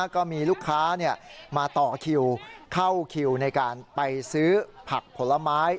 ก็มีลูกค้ามาต่อคิวเข้าคิวในการไปซื้อผักผลไม้